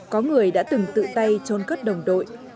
có người đã từng tự tay trôn cất đồng đội